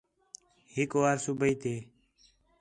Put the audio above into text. ہِک وار صُبیح تھے